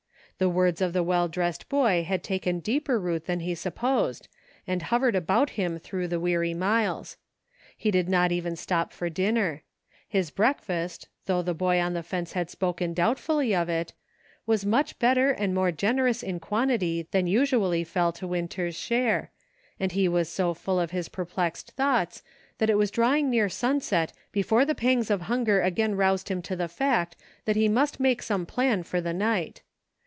The words of the well dressed boy had taken deeper root than he supposed, and hovered about him through the weary miles. He did not even stop for dinner. His breakfast, though the boy on the fence had spoken doubtfully of it, was much better and more generous in quantity than usually fell to Winter's share ; and he was so full of his perplexed thoughts that it was drawing near sunset before the pangs of hunger again roused him to the fact that he must make some plan for the night.